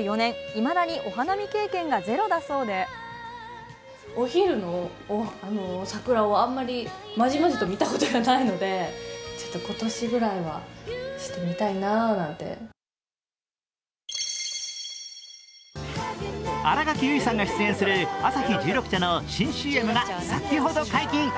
いまだにお花見経験がゼロだそうで新垣結衣さんが出演するアサヒ十六茶の新ＣＭが先ほど解禁。